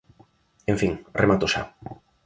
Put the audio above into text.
En fin, remato xa.